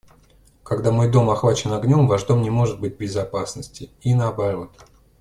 Когда мой дом охвачен огнем, ваш дом не может быть в безопасности, и наоборот.